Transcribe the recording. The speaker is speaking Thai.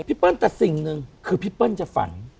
เปิ้ลแต่สิ่งหนึ่งคือพี่เปิ้ลจะฝัน